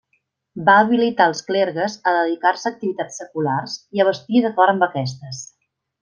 Va habilitar els clergues a dedicar-se a activitats seculars i a vestir d'acord amb aquestes.